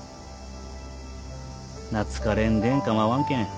懐かれんでん構わんけん